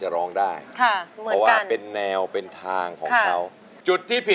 ทุกคนนี้ก็ส่งเสียงเชียร์ทางบ้านก็เชียร์